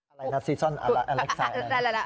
อะไรนะซีซ่อนอาเล็กซาย